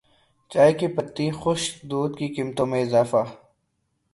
چائے کی پتی خشک دودھ کی قیمتوں میں اضافہ